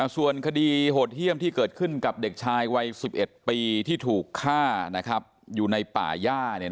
ส่วนคดีโหดเยี่ยมที่เกิดขึ้นกับเด็กชายวัย๑๑ปีที่ถูกฆ่าอยู่ในป่าย่า